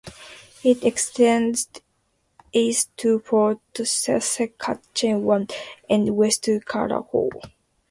It extends east to Fort Saskatchewan and west to Calahoo.